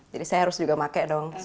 jadi saya harus juga pakai dong